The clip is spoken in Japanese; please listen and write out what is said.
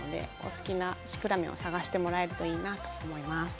好きなシクラメンを探してもらえると、いいと思います。